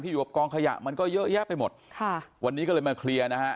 อยู่กับกองขยะมันก็เยอะแยะไปหมดค่ะวันนี้ก็เลยมาเคลียร์นะฮะ